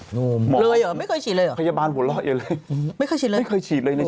หมอพยาบาลโพลาร์เองเลยไม่เคยฉีดเลยโอ้โฮ